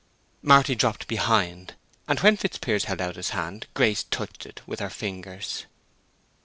Marty dropped behind; and when Fitzpiers held out his hand, Grace touched it with her fingers.